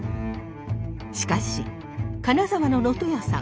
しかし金沢の能登屋さん。